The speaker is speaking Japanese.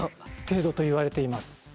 程度といわれています。